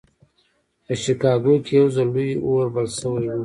په شيکاګو کې يو ځل لوی اور بل شوی و.